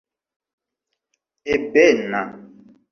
ebena